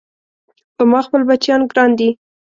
په ما خپل بچيان ګران دي